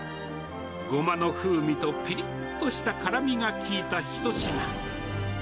ゴマの風味とぴりっとした辛みが効いた一品。